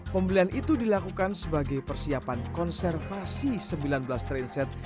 pembelian itu dilakukan sebagai persiapan konservasi sembilan belas trainset